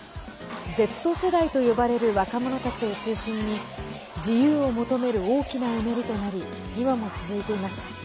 Ｚ世代と呼ばれる若者たちを中心に自由を求める大きなうねりとなり今も続いています。